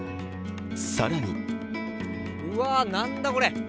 更にうわー、なんだ、これ。